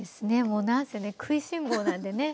もうなんせね食いしん坊なんでね。